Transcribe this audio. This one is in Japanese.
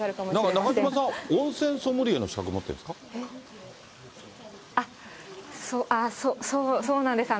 なんか中島さん、温泉ソムリエの資格持ってるんですか。